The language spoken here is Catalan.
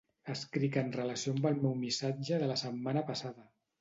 Escric en relació amb el meu missatge de la setmana passada.